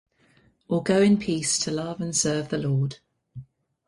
or Go in peace to love and serve the Lord.